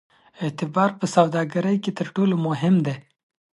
اعتبار په سوداګرۍ کې تر ټولو مهم دی.